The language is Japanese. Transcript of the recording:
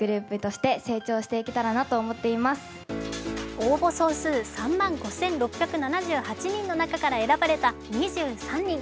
応募総数３万５６７８人の中から選ばれた２３人。